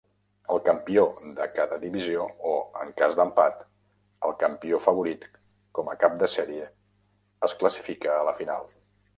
El campió de cada divisió o, en cas d'empat, el campió favorit com a cap de sèrie es classifica a la final.